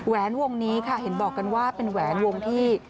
วงนี้ค่ะเห็นบอกกันว่าเป็นแหวนวงที่